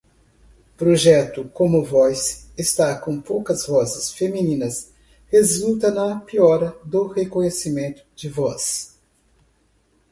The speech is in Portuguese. Projeto commonvoice está com poucas vozes femininas, resulta na piora do reconhecimento de voz